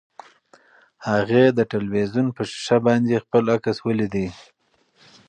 هغې د تلویزیون په ښیښه باندې خپل عکس ولید.